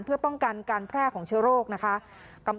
เพื่อป้องกันการแพร่ของเชื้อโรคนะคะ